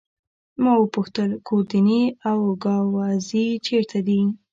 ما وپوښتل: ګوردیني او ګاووزي چيري دي؟